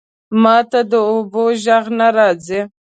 ماته د اوبو ژغ نه راځی